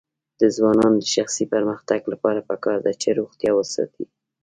د ځوانانو د شخصي پرمختګ لپاره پکار ده چې روغتیا وساتي.